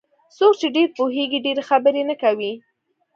څوک چې ډېر پوهېږي ډېرې خبرې نه کوي.